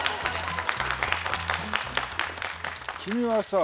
君はさあ。